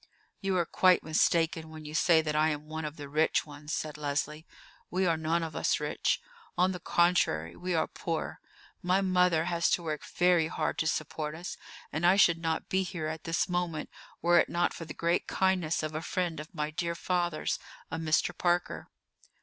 "You are quite mistaken when you say that I am one of the rich ones," said Leslie; "we are none of us rich. On the contrary, we are poor. My mother has to work very hard to support us; and I should not be here at this moment were it not for the great kindness of a friend of my dear father's, a Mr. Parker."